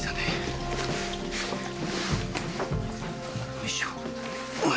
よいしょ。